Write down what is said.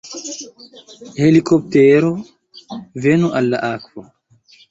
Helikoptero... venu al la akvo!